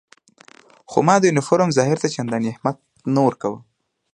خو ما د یونیفورم ظاهر ته چندانې اهمیت نه ورکاوه.